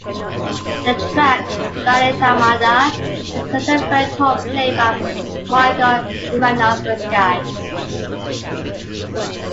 The track "Spanish Armada" contains a French horn played by Michal Emanovsky.